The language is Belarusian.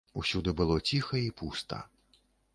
Усюды было ціха і пуста.